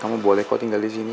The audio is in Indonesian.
kamu boleh kok tinggal disini